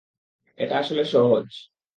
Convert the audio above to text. এটা আসলে সহজ।